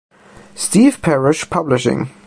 Steve Parish Publishing.